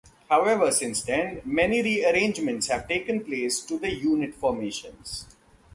However, since then, many rearrangements have taken place to the unit formations.